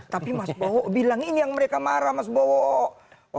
tapi mas bowo bilang ini yang mereka marah mas bowo